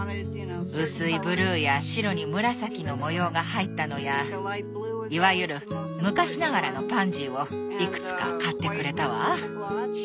薄いブルーや白に紫の模様が入ったのやいわゆる昔ながらのパンジーをいくつか買ってくれたわ。